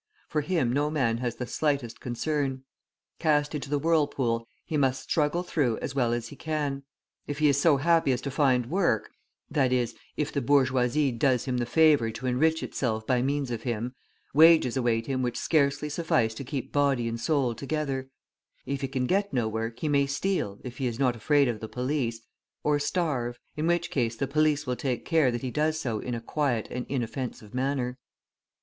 For him no man has the slightest concern. Cast into the whirlpool, he must struggle through as well as he can. If he is so happy as to find work, i.e., if the bourgeoisie does him the favour to enrich itself by means of him, wages await him which scarcely suffice to keep body and soul together; if he can get no work he may steal, if he is not afraid of the police, or starve, in which case the police will take care that he does so in a quiet and inoffensive manner.